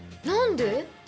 何で？